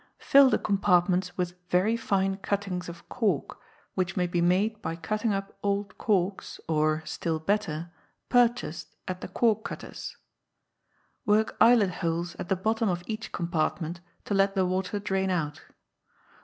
Fill the compartments with very fine cuttings of cork, which may be made by cutting up old corks, or (still better) purchased at the corkcutter's. Work eyelet holes at the bottom of each compartment, to let the water drain out.